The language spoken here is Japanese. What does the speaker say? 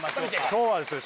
今日はですね